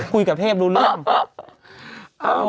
คุยกับเทพรู้เรื่อง